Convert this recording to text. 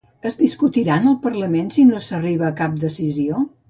Es discutiran al Parlament si no s'arriba a cap decisió?